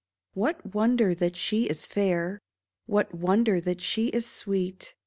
What wonder that she is fair ? What wonder that she is sweet ?